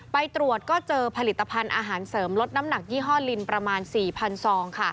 ไปตรวจก็เจอผลิตภัณฑ์อาหารเสริมลดน้ำหนักยี่ห้อลินประมาณ๔๐๐ซอง